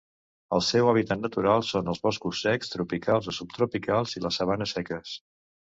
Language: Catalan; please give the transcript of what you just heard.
El seu hàbitat natural són els boscos secs tropicals o subtropicals i les sabanes seques.